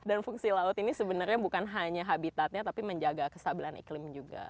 dan fungsi laut ini sebenarnya bukan hanya habitatnya tapi menjaga kestabilan iklim juga